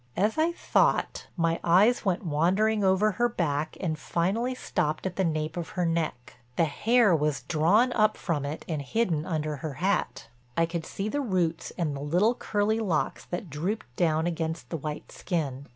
As I thought, my eyes went wandering over her back and finally stopped at the nape of her neck. The hair was drawn up from it and hidden under her hat. I could see the roots and the little curly locks that drooped down against the white skin.